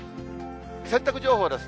洗濯情報です。